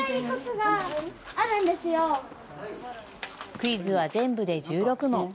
クイズは全部で１６問。